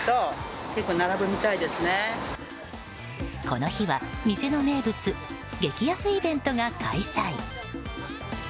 この日は店の名物、激安イベントが開催！